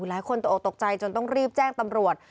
หลายคนตกออกตกใจจนต้องรีบแจ้งตำรวจ